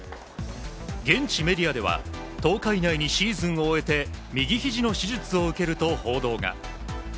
現地メディアでは１０日以内にシーズンを終えて右ひじの手術を受けると報道が。